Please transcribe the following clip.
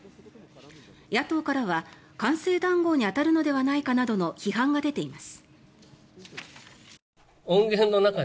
野党からは、官製談合に当たるのではないかなどの批判が出ています。